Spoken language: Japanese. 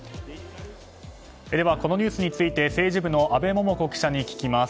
このニュースについて政治部の阿部桃子記者に聞きます。